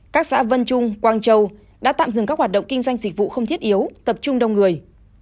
các xã vân trung quang châu đã tạm dừng các hoạt động kinh doanh dịch vụ không thiết yếu tập trung đông người